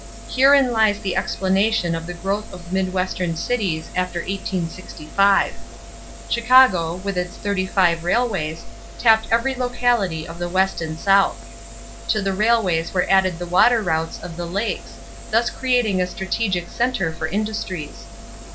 Herein lies the explanation of the growth of mid western cities after 1865. Chicago, with its thirty five railways, tapped every locality of the West and South. To the railways were added the water routes of the Lakes, thus creating a strategic center for industries.